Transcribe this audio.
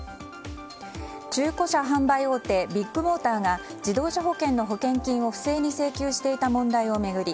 中古車販売大手ビッグモーターが自動車保険の保険金を不正に請求していた問題を巡り